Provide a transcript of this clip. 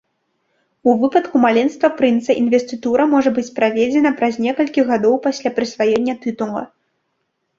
У выпадку маленства прынца інвестытура можа быць праведзена праз некалькі гадоў пасля прысваення тытула.